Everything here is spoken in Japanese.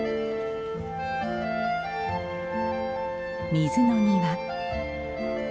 水の庭。